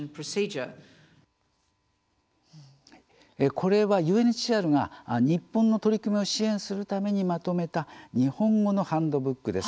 これは、ＵＮＨＣＲが日本の取り組みを支援するためにまとめた日本語のハンドブックです。